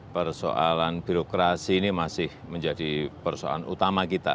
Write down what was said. persoalan birokrasi ini masih menjadi persoalan utama kita